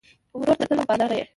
ورور ته تل وفادار یې.